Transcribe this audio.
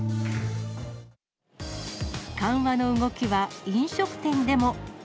緩和の動きは飲食店でも。